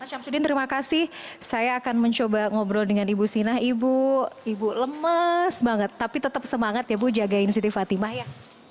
pak syamsuddin terima kasih saya akan mencoba ngobrol dengan ibu sinah ibu ibu lemes banget tapi tetap semangat ya bu jagain siti fatimah ya